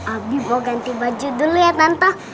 abi mau ganti baju dulu ya tante